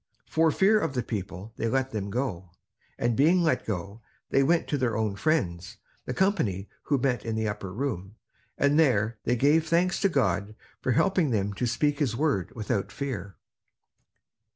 For fear of the people, they let them go. And being let go, they went to their own friends, the company who met in the upper room, and there they gave thanks to God for helping them to speak his word without fear.